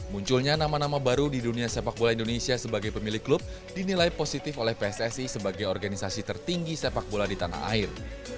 munculnya nama nama baru di dunia sepak bola indonesia sebagai pemilik klub dinilai positif oleh pssi sebagai organisasi tertinggi sepak bola di tanah air